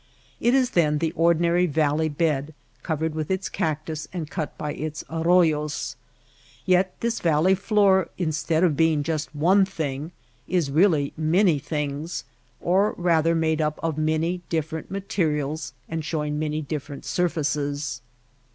It is then the ordinary valley bed covered with its cactus and cut by its arroyos. Yet this valley floor instead of being just one thing is really many things — or rather made up of many different materials and showing many different surfaces.